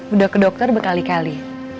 udah ke dokter berkali kali